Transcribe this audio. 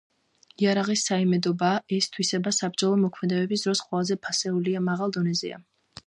იარაღის საიმედოობა, ეს თვისება საბრძოლო მოქმედებების დროს ყველაზე ფასეულია, მაღალ დონეზეა.